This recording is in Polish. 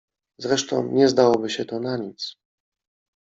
Zresztą nie zdałoby się to na nic!